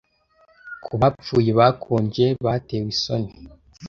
Ku bapfuye bakonje batewe isoni?